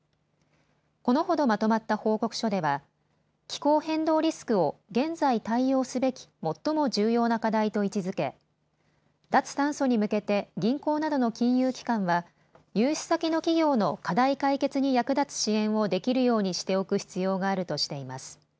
このほどまとまった報告書では気候変動リスクを現在対応すべき最も重要な課題と位置づけ、脱炭素に向けて銀行などの金融機関は融資先の企業の課題解決に役立つ支援をできるようにしておく必要があるとしています。